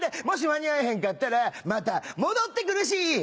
もし間に合えへんかったらまた戻って来るし！」。